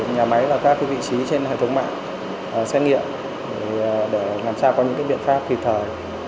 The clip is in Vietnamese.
nhà máy và các vị trí trên hệ thống mạng xét nghiệm để làm sao có những biện pháp kịp thời